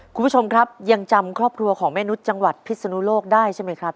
คุณผู้ชมครับยังจำครอบครัวของแม่นุษย์จังหวัดพิศนุโลกได้ใช่ไหมครับ